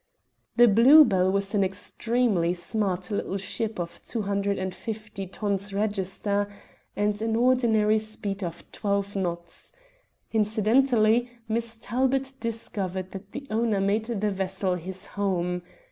The Blue Bell was an extremely smart little ship of 250 tons register, and an ordinary speed of twelve knots. Incidentally Miss Talbot discovered that the owner made the vessel his home.